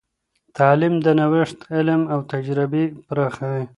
تعلیم د نوښت علم او تجربې پراخوي.